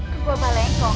ke gua balengkong